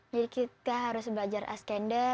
jadi kita harus belajar askender